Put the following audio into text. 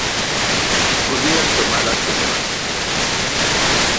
Podían tomalas como base.